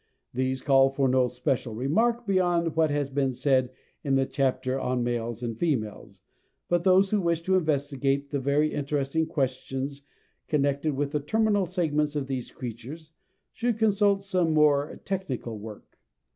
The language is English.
These call for no special remark, beyond what has been said in the chapter on males and females, but those who wish to investigate the very interesting questions connected with the terminal segments of these creatures should consult some more technical work.